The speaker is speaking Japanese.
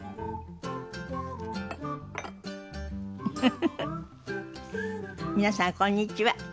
フフフフ皆さんこんにちは。